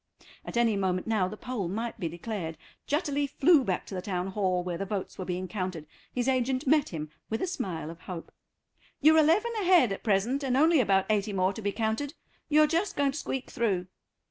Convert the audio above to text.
At any moment now the poll might be declared. Jutterly flew back to the Town Hall, where the votes were being counted. His agent met him with a smile of hope. "You're eleven ahead at present, and only about eighty more to be counted; you're just going to squeak through."